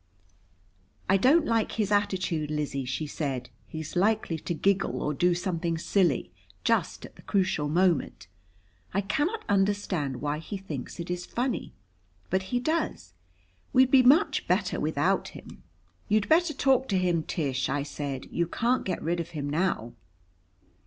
"I don't like his attitude, Lizzie," she said. "He's likely to giggle or do something silly, just at the crucial moment. I cannot understand why he thinks it is funny, but he does. We'd be much better without him." "You'd better talk to him, Tish," I said. "You can't get rid of him now."